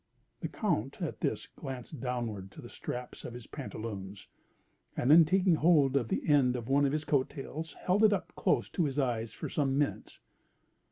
The Count, at this, glanced downward to the straps of his pantaloons, and then taking hold of the end of one of his coat tails, held it up close to his eyes for some minutes.